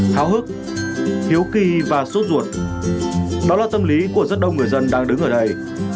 háo hức hiếu kỳ và sốt ruột đó là tâm lý của rất đông người dân đang đứng ở đây